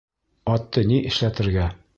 Атты ни эшләтергә?